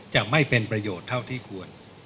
จะไม่เป็นประโยชน์เท่าที่ควร